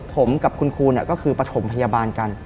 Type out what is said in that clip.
ผมกับคุณครูก็คือประถมพยาบาลกัน